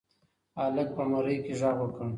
هلک په مرۍ کې غږ وکړ.